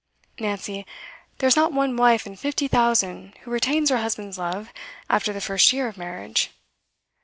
Nancy, there is not one wife in fifty thousand who retains her husband's love after the first year of marriage.